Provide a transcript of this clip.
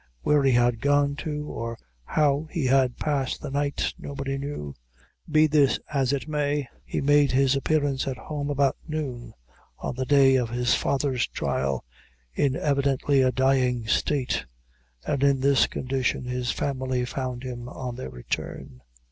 Where he had gone to, or how he had passed the night, nobody knew. Be this as it may, he made his appearance at home about noon on the day of his father's trial, in evidently a dying state, and in this condition his family found him on their return.